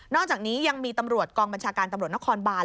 อกจากนี้ยังมีตำรวจกองบัญชาการตำรวจนครบาน